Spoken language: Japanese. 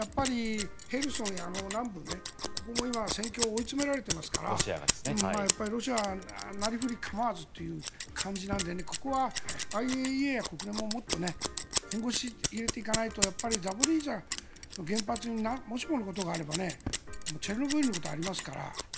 ヘルソンや南部、ここも今戦況が追い詰められていますからロシア、なりふり構わずという感じなのでここはＩＡＥＡや国連ももっと本腰を入れていかないとやっぱり、ザポリージャの原発にもしものことがあればチェルノブイリのことがありますから。